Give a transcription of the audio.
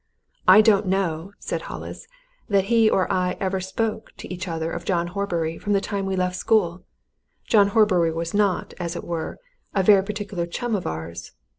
I don't know," said Hollis, "that he or I ever spoke to each other of John Horbury from the time we left school. John Horbury was not, as it were, a very particular chum of ours.